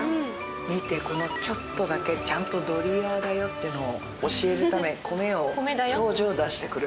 見てこのちょっとだけちゃんとドリアだよっていうのを教えるため米を表情を出してくる。